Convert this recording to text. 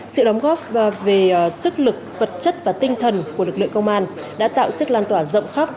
sự đóng góp về sức lực vật chất và tinh thần của lực lượng công an đã tạo sức lan tỏa rộng khắp